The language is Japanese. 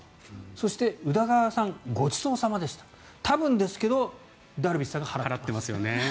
そして宇田川さん、ごちそうさまでした多分ですが、ダルビッシュさんが払っています。